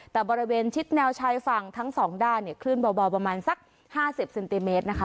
แต่บริเวณชิดแนวชายฝั่งทั้งสองด้านเนี่ยคลื่นเบาประมาณสัก๕๐เซนติเมตรนะคะ